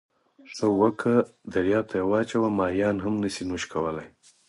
ښه وکړه درياب ته یې واچوه، ماهيان يې هم نسي نوش کولای.